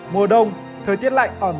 mùa đông thời tiết lạnh ẩm